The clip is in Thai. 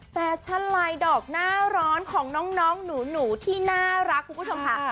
แฟชั่นลายดอกหน้าร้อนของน้องหนูที่น่ารักคุณผู้ชมค่ะ